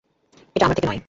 এটা আমার থেকে নয়।